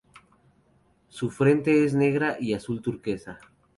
Su frente es negra y azul turquesa.